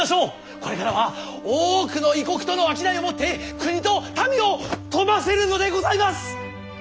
これからは多くの異国との商いをもって国と民を富ませるのでございます！